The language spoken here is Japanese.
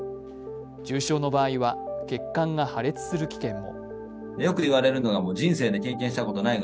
重症の場合は血管が破裂する危険も。